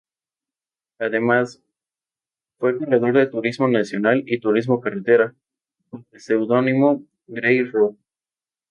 Además, fue corredor de Turismo Nacional y Turismo Carretera, bajo el seudónimo Grey Rock.